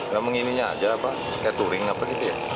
lambo ini aja apa kayak touring apa gitu ya